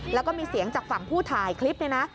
แล้วก็มีเสียงจากฝั่งผู้ถ่ายคลิปเนี่ยนะ